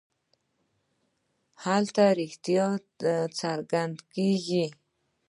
هلته رښتیا څرګندېږي.